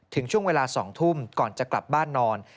ถึงช่วงเวลา๒ทุ่มก่อนจะกลับบ้านนอน